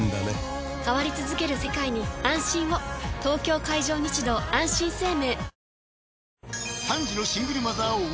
東京海上日動あんしん生命